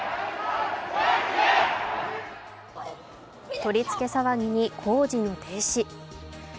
取り付け騒ぎに工事の停止。